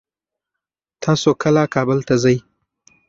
تاسو کله کابل ته ځئ؟